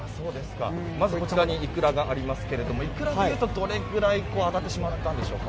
まずこちらにイクラがありますけれどもイクラというと、どれくらい上がってしまったんでしょうか。